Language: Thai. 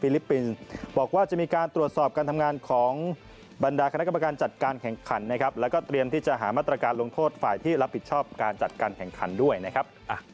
แล้วก็เตรียมที่จะหามัตรการลงโทษฝ่ายที่รับผิดชอบการจัดการแข่งขันด้วยนะครับ